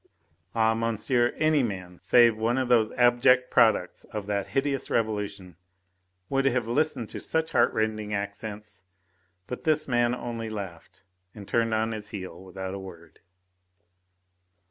Ah, monsieur, any man, save one of those abject products of that hideous Revolution, would have listened to such heartrending accents. But this man only laughed and turned on his heel without a word.